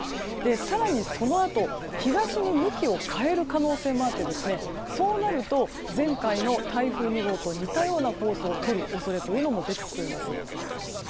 更に、そのあと東に向きを変える可能性もあってそうなると前回の台風２号と似たようなコースを通る恐れというのも出てきています。